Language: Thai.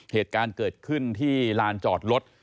เหตุการณ์เกิดขึ้นที่ลานจอดรถ